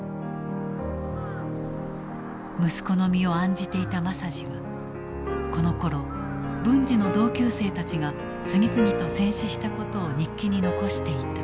息子の身を案じていた政次はこのころ文次の同級生たちが次々と戦死したことを日記に残していた。